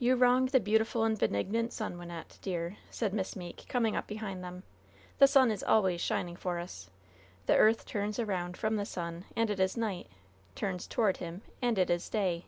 "You wrong the beautiful and benignant sun, Wynnette, dear," said Miss Meeke, coming up behind them. "The sun is always shining for us. The earth turns around from the sun, and it is night turns toward him, and it is day.